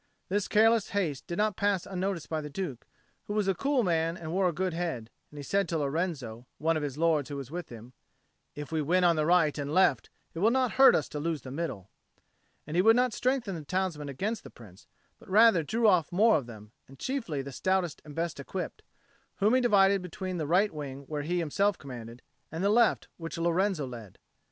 This careless haste did not pass unnoticed by the Duke, who was a cool man and wore a good head; and he said to Lorenzo, one of his lords who was with him, "If we win on right and left, it will not hurt us to lose in the middle;" and he would not strengthen the townsmen against the Prince, but rather drew off more of them, and chiefly the stoutest and best equipped, whom he divided between the right wing where he himself commanded, and the left which Lorenzo led.